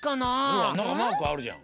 ほらなんかマークあるじゃん。